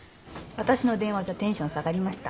私の電話じゃテンション下がりました？